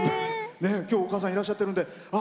今日は、お母さんいらっしゃってるんで。